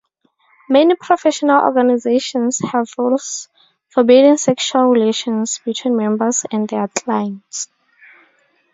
Many professional organizations have rules forbidding sexual relations between members and their clients.